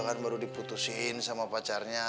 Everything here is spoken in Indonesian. kan baru diputusin sama pacarnya